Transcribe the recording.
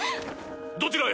どちらへ？